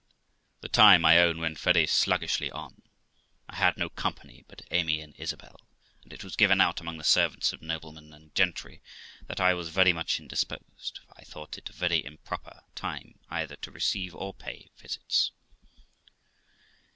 The time, I own, went very sluggishly on. I had no company but Amy and Isabel, and it was given out among the servants of noblemen and gentry that I was very much indisposed, for I thought it a very improper time either to receive or pay visits.